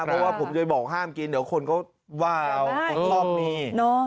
เพราะว่าผมจะบอกห้ามกินเดี๋ยวคนเขาว่าวคนรอบนี้